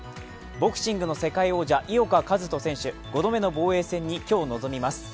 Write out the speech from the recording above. ボクシングの世界王者井岡一翔選手、５度目の防衛戦に今日挑みます。